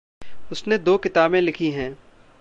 उसने दो किताबें लिखी हैं।